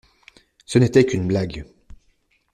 Ce n’était qu’une blague.